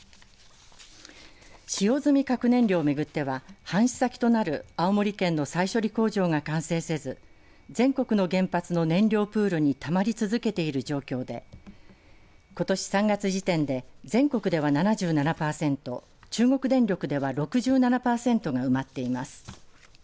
使用済み核燃料を巡っては搬出先となる青森県の再処理工場が完成せず全国の原発燃料プールにたまり続けている状況でことし３月時点で全国では７７パーセント中国電力では６７パーセントが埋まっています。